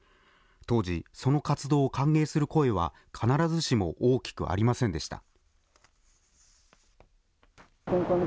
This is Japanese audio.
当時、その活動を歓迎する声は必ずしも大きくありませんでした。